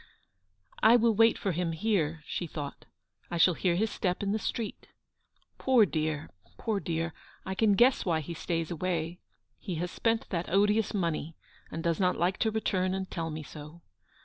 " I will wait for him here," she thought. " I shall hear his step in the street. Poor dear, poor dear, I can guess why he stays away. He has spent that odious money, and does not like to return and tell me so.